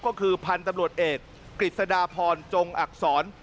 ก็คือพันธุ์ตำรวจเอกกฤษฎาพรจงอักษร